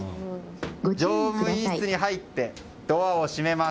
乗務員室に入ってドアを閉めます。